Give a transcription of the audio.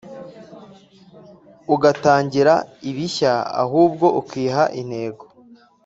ugatangira ibishyaahubwo ukiha intego